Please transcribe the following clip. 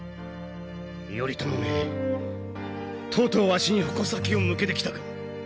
頼朝めとうとうわしに矛先を向けてきたか！